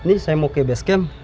ini saya mau ke base camp